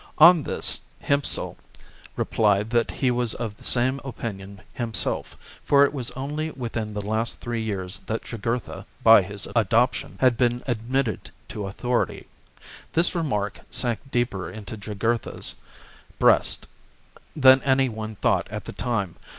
On this Hiempsal replied that he was of the same opinion himself, for it was only within the last three years that Jugurtha, by his adoption, had been admitted to authority. This remark sank deeper into Jugurtha's breast than anyone thought at the time.